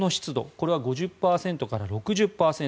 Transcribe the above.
これは５０％から６０％。